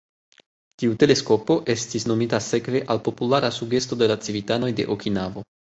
Tiu teleskopo estis nomita sekve al populara sugesto de la civitanoj de Okinavo.